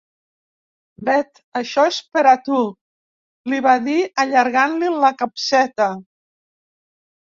Bet, això és per a tu —li va dir, allargant-li la capseta—.